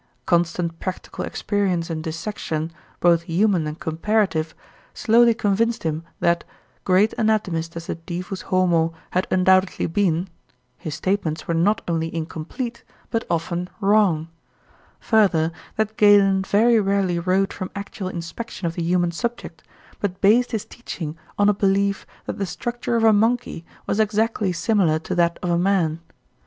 Constant practical experience in dissection, both human and comparative, slowly convinced him that great anatomist as the "divus homo" had undoubtedly been his statements were not only incomplete, but often wrong; further, that Galen very rarely wrote from actual inspection of the human subject, but based his teaching on a belief that the structure of a monkey was exactly similar to that of a man.